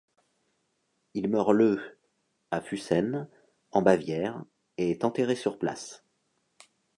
Il meurt le à Füssen, en Bavière et est enterré sur place.